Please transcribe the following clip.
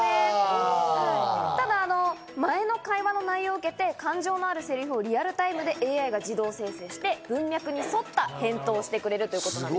ただ、前の会話の内容を受けて感情のあるセリフをリアルタイムでＡＩが自動精査して、文脈に沿った返答をしてくれるということなんです。